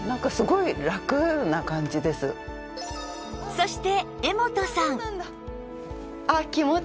そして